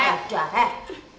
eh udah eh